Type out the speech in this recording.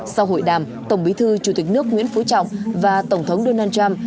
sau hội đàm tổng bí thư chủ tịch nước nguyễn phú trọng và tổng thống donald trump